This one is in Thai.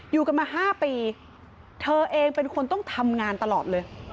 อยู่กันมา๕ปีเธอเองเป็นคนต้องทำงานตลอดเลย